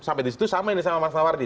sampai disitu sama ini sama mas nawardi